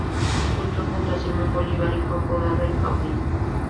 Luchó junto a Simón Bolívar y fue apodado "El Caudillo".